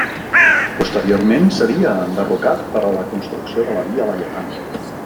Posteriorment seria enderrocat per a la construcció de la Via Laietana.